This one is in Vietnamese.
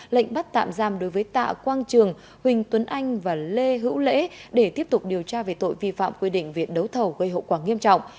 lệnh bắt tạm giam đối với tạ quang trường huỳnh tuấn anh và lê hữu lễ để tiếp tục điều tra về tội vi phạm quy định viện đấu thầu gây hậu quả nghiêm trọng